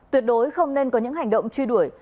tuyệt đối không nên có những hành động truy đuổi